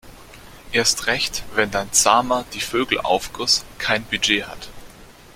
Erst recht, wenn dein zahmer ‚Die Vögel‘-Aufguss kein Budget hat.